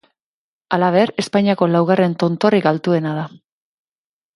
Halaber, Espainiako laugarren tontorrik altuena da.